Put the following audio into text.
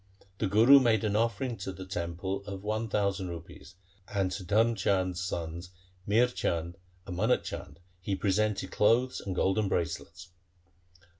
The Guru made an offering to the temple of one thousand rupees, and to Dharm Chand's sons Mihr Chand and Manak Chand he presented clothes and golden bracelets.